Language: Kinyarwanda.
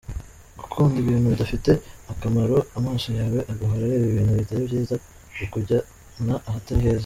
Gukunda ibintu bidafite akamaro, amaso yawe agahora areba ibintu bitari byiza, bikujyana ahatari heza.